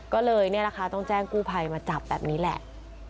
ก็เลยเนี่ยนะคะต้องแจ้งกู้ภัยมาจับแบบนี้แหละ